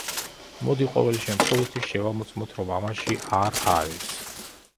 მოდი ყოველი შემთხვევისთვის შევამოწმოთ, რომ ამაში არ არის.